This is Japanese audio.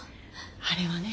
あれはね